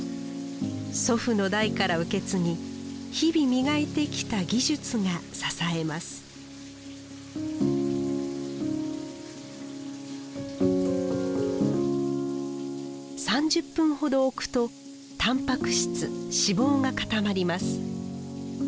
祖父の代から受け継ぎ日々磨いてきた技術が支えます３０分ほど置くとたんぱく質脂肪が固まります。